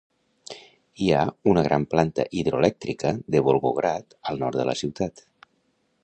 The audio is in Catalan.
Hi ha una gran Planta hidroelèctrica de Volgograd al nord de la ciutat.